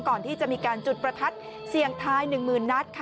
ก่อนที่จะมีการจุดประทัดเสียงท้ายหนึ่งหมื่นนัด